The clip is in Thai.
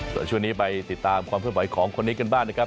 ส่วนช่วงนี้ไปติดตามความเคลื่อนไหวของคนนี้กันบ้างนะครับ